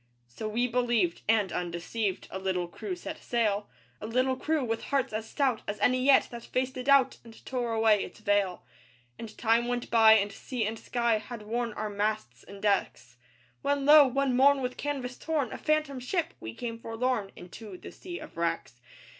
So we believed. And, undeceived, A little crew set sail; A little crew with hearts as stout As any yet that faced a doubt And tore away its veil. And time went by; and sea and sky Had worn our masts and decks; When, lo! one morn with canvas torn, A phantom ship, we came forlorn Into the Sea of Wrecks.